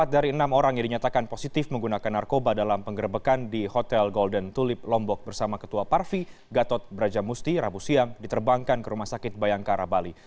empat dari enam orang yang dinyatakan positif menggunakan narkoba dalam penggerbekan di hotel golden tulip lombok bersama ketua parvi gatot brajamusti rabu siang diterbangkan ke rumah sakit bayangkara bali